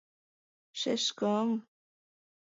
Шешкым...